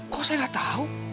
kok saya gak tau